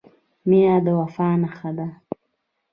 • مینه د وفا نښه ده.